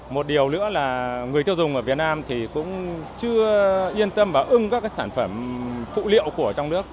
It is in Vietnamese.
một điều nữa là người tiêu dùng ở việt nam thì cũng chưa yên tâm và ưng các sản phẩm phụ liệu của trong nước